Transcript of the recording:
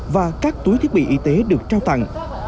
và các túi thiết bị y tế được trao tặng